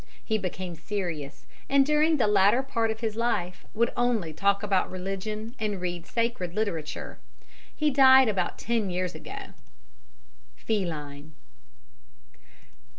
He became serious, and during the latter part of his life would only talk about religion and read sacred literature. He died about ten years ago." "FELINE."